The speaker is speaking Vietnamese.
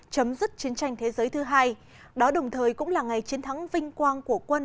chấm dứt chiến tranh thế giới thứ hai đó đồng thời cũng là ngày chiến thắng vinh quang của quân